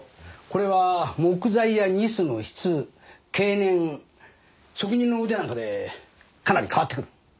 これは木材やニスの質経年職人の腕なんかでかなり変わってくる。